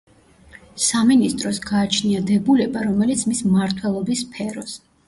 სამინისტროს გააჩნია დებულება, რომელიც მის მმართველობის სფეროს.